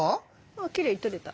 あきれいに撮れた。